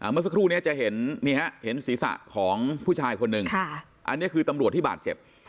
เมื่อสักครู่นี้จะเห็นศีรษะของผู้ชายคนหนึ่งอันนี้คือตำรวจที่บาดเจ็บ